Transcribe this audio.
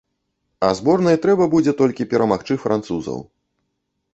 А зборнай трэба будзе толькі перамагчы французаў.